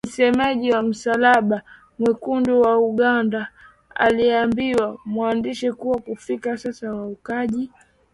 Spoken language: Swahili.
Msemaji wa Msalaba Mwekundu wa Uganda aliwaambia waandishi kuwa kufikia sasa waokoaji wamechukua miili ishirini na nne kutoka Mbale